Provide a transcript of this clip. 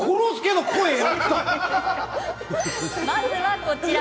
まずは、こちら。